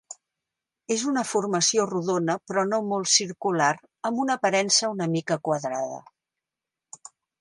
És una formació rodona però no molt circular, amb una aparença una mica quadrada.